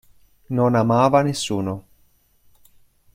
Non amava nessuno.